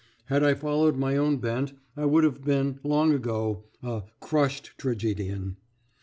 Had I followed my own bent, I would have been, long ago, a "crushed tragedian."